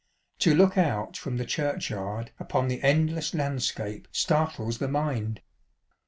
To look out from the churchyard upon the endless landscape startles the mind.